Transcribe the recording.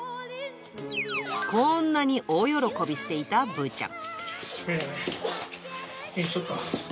こんなに大喜びしていたぶーちゃん。